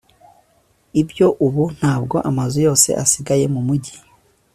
Ibyo ubu ntabwo amazu yose asigaye mumujyi